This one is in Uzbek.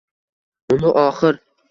Uni oxir